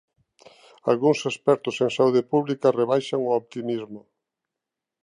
Algúns expertos en Saúde Pública rebaixan o optimismo.